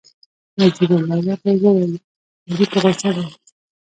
نجیب الدوله ته وویل چې ابدالي په غوسه دی.